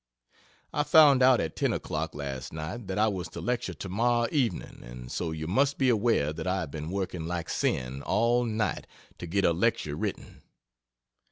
I found out at 10 o'clock, last night, that I was to lecture tomorrow evening and so you must be aware that I have been working like sin all night to get a lecture written.